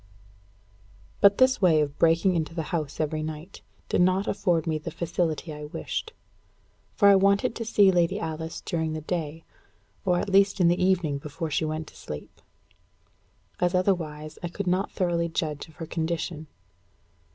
_ But this way of breaking into the house every night did not afford me the facility I wished. For I wanted to see Lady Alice during the day, or at least in the evening before she went to sleep; as otherwise I could not thoroughly judge of her condition.